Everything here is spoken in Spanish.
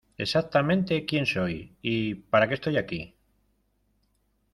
Exactamente quién soy y para qué estoy aquí